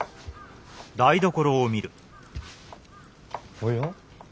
おや？